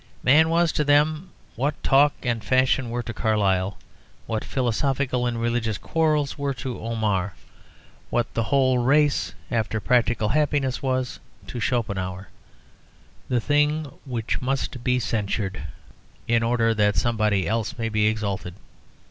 Man was to them what talk and fashion were to Carlyle, what philosophical and religious quarrels were to Omar, what the whole race after practical happiness was to Schopenhauer, the thing which must be censured in order that somebody else may be exalted.